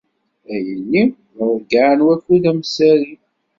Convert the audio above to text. Ayenni d aḍeyyeɛ n wakud amsari.